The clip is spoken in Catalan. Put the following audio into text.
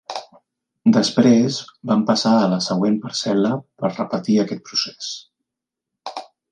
Després, van passar a la següent parcel·la per repetir aquest procés.